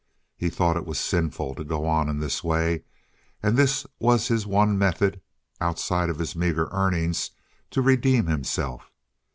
He thought it was sinful to go on in this way, and this was his one method, outside of his meager earnings, to redeem himself.